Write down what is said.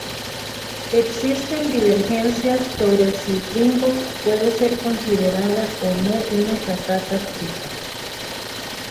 Existen divergencias sobre si Pringles puede ser considerada o no una patata frita.